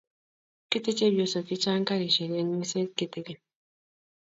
kete chepyosok chechang' karisiek eng' wiset kitigen